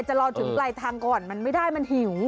มันจะรอถึงใบทางก่อนมันไม่ได้มันหิว